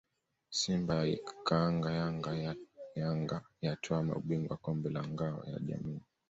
Simba yaikaanga Yanga yatwaa ubingwa kombe la Ngao ya Jamii